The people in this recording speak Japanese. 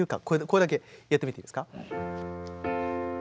これだけやってみていいですか？